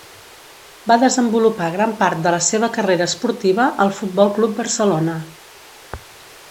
Va desenvolupar gran part de la seva carrera esportiva al Futbol Club Barcelona.